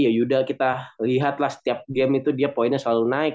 ya yuda kita lihat lah setiap game itu dia poinnya selalu naik